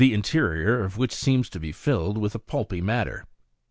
interior of which seems to be filled with a pulpy matter.